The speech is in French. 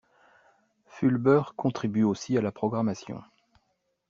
Fulber contribue aussi à la programmation.